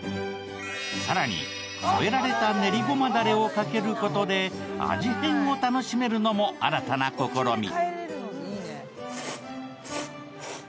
更に、添えられた練りごまだれをかけることで味変を楽しめるのも新たな試み。